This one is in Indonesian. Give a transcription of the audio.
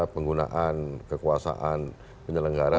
penggunaan kekuasaan penyelenggara